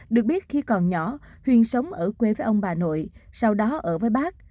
được biết khi còn nhỏ huyền sống ở quê với ông bà nội sau đó ở với bác